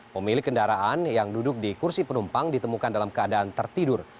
pemilik kendaraan yang duduk di kursi penumpang ditemukan dalam keadaan tertidur